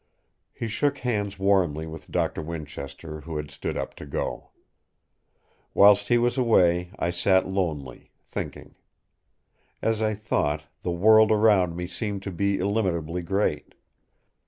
He shook hands warmly with Doctor Winchester who had stood up to go. Whilst he was away I sat lonely, thinking. As I thought, the world around me seemed to be illimitably great.